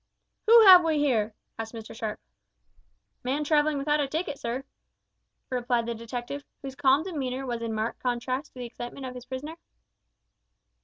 "Who have we here?" asked Mr Sharp. "Man travelling without a ticket sir," replied the detective, whose calm demeanour was in marked contrast to the excitement of his prisoner.